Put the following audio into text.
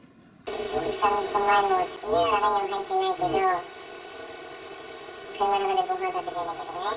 ２日、３日前にも、家の中には入ってないけど、車の中でごはん食べてるとかね。